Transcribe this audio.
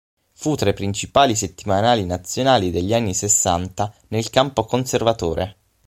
Fu tra i principali settimanali nazionali degli anni sessanta nel campo conservatore.